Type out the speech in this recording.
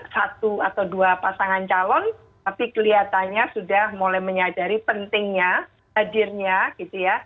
satu atau dua pasangan calon tapi kelihatannya sudah mulai menyadari pentingnya hadirnya gitu ya